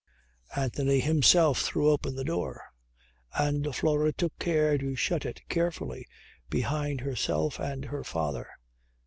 Anthony himself threw open the door and Flora took care to shut it carefully behind herself and her father.